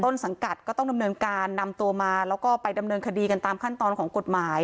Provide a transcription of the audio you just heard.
สังกัดก็ต้องดำเนินการนำตัวมาแล้วก็ไปดำเนินคดีกันตามขั้นตอนของกฎหมาย